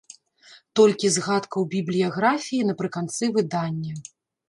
Толькі згадка ў бібліяграфіі напрыканцы выдання.